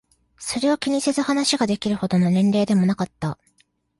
それを気にせず話ができるほどの年齢でもなかった。